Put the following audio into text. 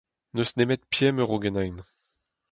N'eus nemet pemp euro ganin.